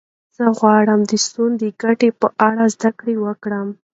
زه غواړم د سونا د ګټو په اړه زده کړه وکړم.